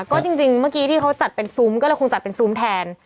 ก็จริงเมื่อกี้ที่เขาจัดเป็นซุ้มก็เลยคงจัดเป็นซุ้มแทน